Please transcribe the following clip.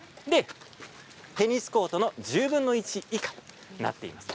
テニスコートの１０分の１以下の広さです。